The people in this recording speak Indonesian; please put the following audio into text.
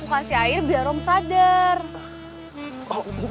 udah kita harus berpengen